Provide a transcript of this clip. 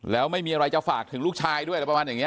แล้วไม่มีอะไรจะฝากถึงลูกชายด้วยอะไรประมาณอย่างนี้